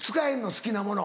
好きなもの。